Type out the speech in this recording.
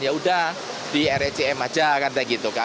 ya sudah di recm saja